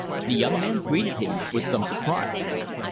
The young man greeted him with some surprise.